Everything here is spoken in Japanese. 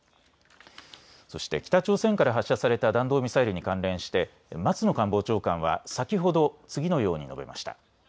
そして北朝鮮から発射された弾道ミサイルに関連して松野官房長官は先ほど次のように述べました。